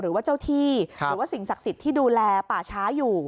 หรือว่าเจ้าที่หรือว่าสิ่งศักดิ์สิทธิ์ที่ดูแลป่าช้าอยู่